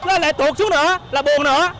lại tuột xuống nữa là buồn nữa